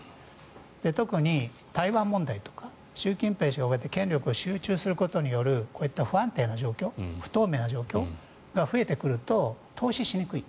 特に台湾問題とか習近平氏に権力が集中することによるこういった不安定不透明な状況が増えてくると投資しにくい。